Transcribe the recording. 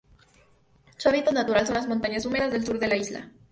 Su hábitat natural son las montañas húmedas del sur de la isla.